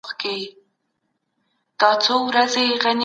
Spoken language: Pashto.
د لويي جرګې ستړي غړي کله د غرمې د ډوډۍ له پاره تفریح کوي؟